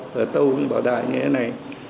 và tâu ông bảo đại như thế này